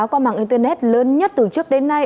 có mạng internet lớn nhất từ trước đến nay